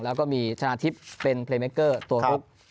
แล้วก็มีชนะทิพย์เป็นเพลงเมคเกอร์ตัวลุก